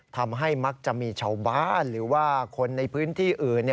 มักจะมีชาวบ้านหรือว่าคนในพื้นที่อื่น